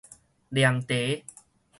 涼茶